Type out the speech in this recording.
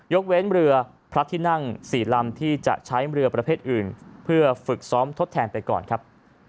เว้นเรือพระที่นั่ง๔ลำที่จะใช้เรือประเภทอื่นเพื่อฝึกซ้อมทดแทนไปก่อนครับ